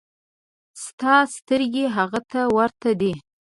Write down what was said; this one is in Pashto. ستا سترګې هغه ته ورته دي.